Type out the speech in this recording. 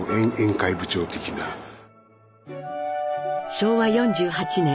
昭和４８年。